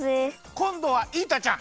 こんどはイータちゃん！